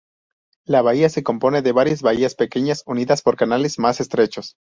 La bahía se compone de varias bahías pequeñas, unidas por canales más estrechos.